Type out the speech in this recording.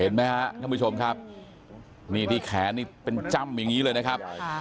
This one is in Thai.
เห็นไหมครับท่านผู้ชมครับนี่ที่แขนนี่เป็นจ้ำอย่างนี้เลยนะครับ